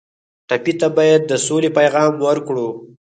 ټپي ته باید د سولې پیغام ورکړو.